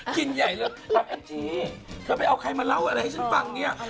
กินใหญ่เลยถามแองจี้เธอไปเอาใครมาเล่าอะไรให้ฉันฟังเนี่ย